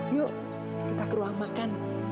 yuk kita ke ruang makan